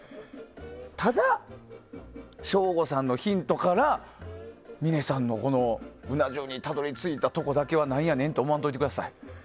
ただ、省吾さんのヒントから峰さんのうな重にたどり着いたところだけは何やねんと思わんといてください。